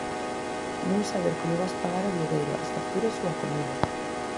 Non saber como vas pagar o alugueiro, as facturas ou a comida.